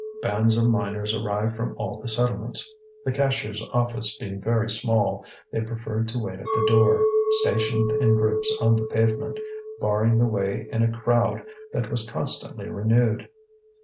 Bands of miners arrived from all the settlements. The cashier's office being very small, they preferred to wait at the door, stationed in groups on the pavement, barring the way in a crowd that was constantly renewed.